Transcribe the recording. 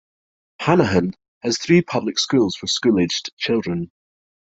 Hanahan has three public schools for school aged children.